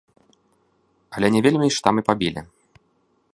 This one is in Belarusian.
Але не вельмі ж там і пабілі.